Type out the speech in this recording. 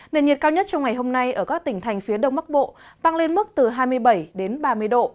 nền nhiệt cao nhất trong ngày hôm nay ở các tỉnh thành phía đông bắc bộ tăng lên mức từ hai mươi bảy đến ba mươi độ